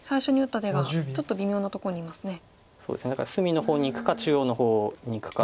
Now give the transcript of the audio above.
だから隅の方にいくか中央の方にいくか。